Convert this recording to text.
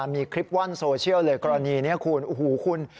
มีคลิปว่านโซเชียลเลยกรณีคุณ